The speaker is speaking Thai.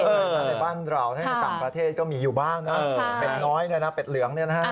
ในบ้านเราที่ต่ำประเทศก็มีอยู่บ้างแปดน้อยแปดเหลือง